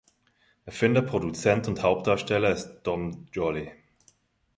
Erfinder, Produzent und Hauptdarsteller ist Dom Joly.